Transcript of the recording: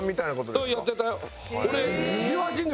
そうやってたよ。